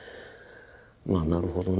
まあなるほどね